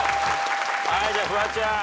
じゃあフワちゃん。